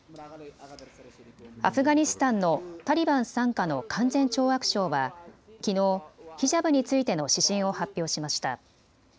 アフガニスタンのタリバン傘下の勧善懲悪省はきのう、ヒジャブについての指針を発表しました。